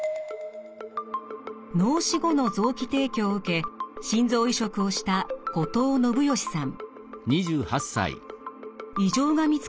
脳死後の臓器提供を受け心臓移植をした後藤将理さん。